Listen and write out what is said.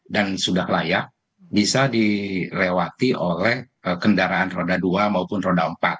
sudah layak bisa dilewati oleh kendaraan roda dua maupun roda empat